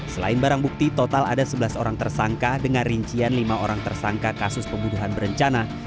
selain barang bukti total ada sebelas orang tersangka dengan rincian lima orang tersangka kasus pembunuhan berencana